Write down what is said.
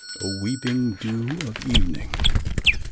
O weeping dew of evening!